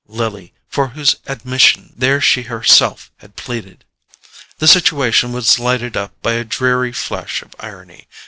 Lily, for whose admission there she herself had pleaded! The situation was lighted up by a dreary flash of irony.